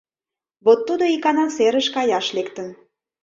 Вот тудо икана серыш каяш лектын.